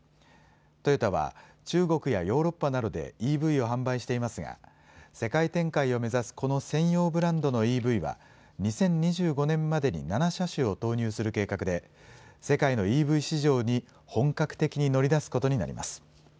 トヨタは中国やヨーロッパなどでＥＶを販売していますが世界展開を目指すこの専用ブランドのＥＶは、２０２５年までに７車種を投入する計画で世界のＥＶ市場に本格的に乗り出すことになります。